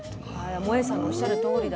もえさんのおっしゃるとおりだ。